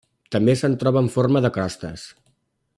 També se'n troba en forma de crostes.